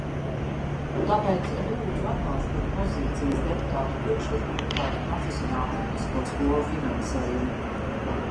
Tāpēc lūdzu atbalstīt pozīcijas deputātu priekšlikumu par profesionāli tehnisko skolu finansējumu.